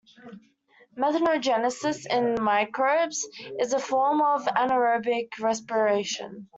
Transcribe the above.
Methanogenesis in microbes is a form of anaerobic respiration.